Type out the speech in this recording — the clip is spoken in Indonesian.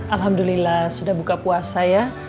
alhamdulillah sudah buka puasa ya